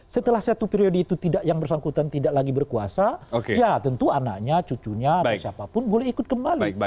setelah satu periode itu tidak yang bersangkutan tidak lagi berkuasa ya tentu anaknya cucunya atau siapapun boleh ikut kembali